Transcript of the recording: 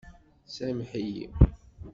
Sameḥ-iyi!